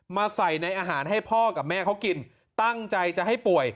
มาใส่ในอาหารให้พ่อกับแม่เขากินตั้งใจจะให้ป่วย